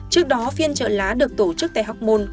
trước đó phiên trợ lá được tổ chức tại hoc mon